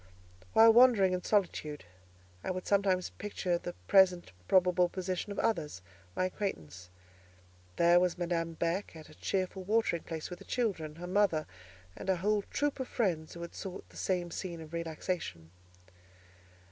While wandering in solitude, I would sometimes picture the present probable position of others, my acquaintance. There was Madame Beck at a cheerful watering place with her children, her mother, and a whole troop of friends who had sought the same scene of relaxation.